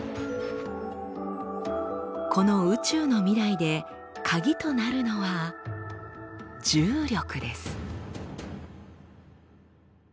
この宇宙の未来でカギとなるのは「重力」です。